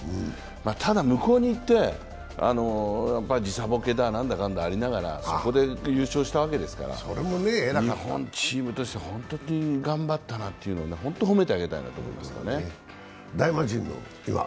ただ、向こうに行って時差ぼけだなんだかんだありながらそこで優勝したわけですから日本チームとしては、本当に頑張ったなというのを褒めてあげたいと思いますね。